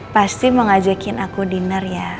pasti mau ngajakin aku diner ya